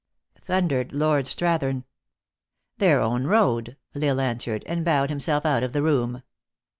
thundered Lord Strathern. " Their own road," L Isle answered, and bowed himself out of the room.